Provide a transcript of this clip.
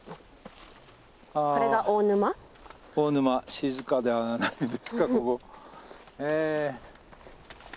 静かではないですかここ。